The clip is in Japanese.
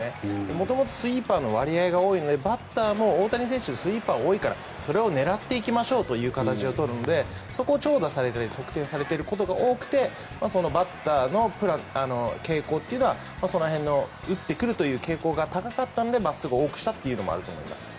元々スイーパーの割合が多いのでバッターも大谷選手はスイーパーが多いからそれを狙っていきましょうという形を取るので、そこを長打されたり得点されていることが多くてそのバッターの傾向というのはその辺の打ってくるという傾向が高かったので真っすぐを多くしたというのもあると思います。